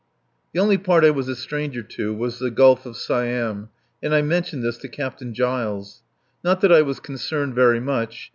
The only part I was a stranger to was the Gulf of Siam. And I mentioned this to Captain Giles. Not that I was concerned very much.